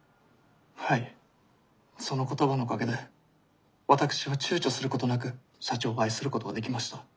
はいその言葉のおかげで私はちゅうちょすることなく社長を愛することができました。